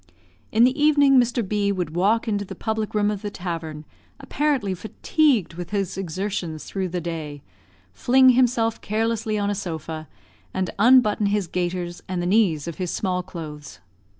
In the evening, Mr. B would walk into the public room of the tavern, apparently fatigued with his exertions through the day; fling himself carelessly on a sofa, and unbutton his gaiters and the knees of his small clothes.